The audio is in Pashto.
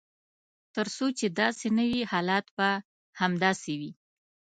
تر څو چې داسې نه وي حالات به همداسې وي.